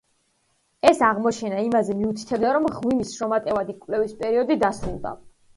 ეს აღმოჩენა იმაზე მიუთითებდა, რომ მღვიმის შრომატევადი კვლევის პერიოდი დასრულდა.